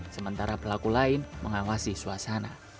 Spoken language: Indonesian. sementara pelaku lain mengawasi suasana